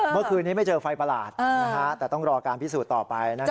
เมื่อคืนนี้ไม่เจอไฟประหลาดแต่ต้องรอการพิสูจน์ต่อไปนะครับ